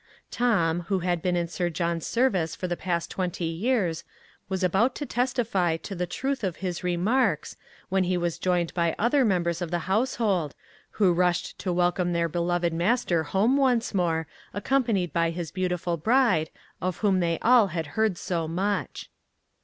Tom, who had been in Sir John's service for the past twenty years, was about to testify to the truth of his remarks, when he was joined by other members of the household, who rushed to welcome their beloved master home once more, accompanied by his beautiful bride, of whom they all had heard so much.